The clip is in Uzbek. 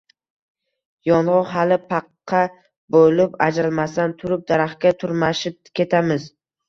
Yong‘oq hali «paqqa» bo‘lib ajralmasdan turib, daraxtga tarmashib ketamiz.